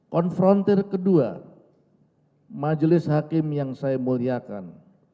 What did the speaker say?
konfrontir kedua majelis hakim yang saya muliakan